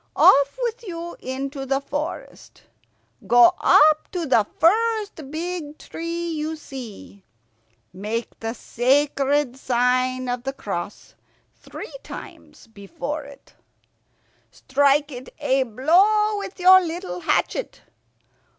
Off with you into the forest. Go up to the first big tree you see. Make the sacred sign of the cross three times before it. Strike it a blow with your little hatchet.